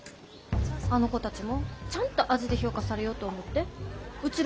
あの子たちもちゃんと味で評価されようと思ってうち